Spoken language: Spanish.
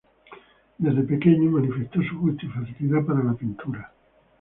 Desde pequeño manifestó su gusto y facilidad para la pintura.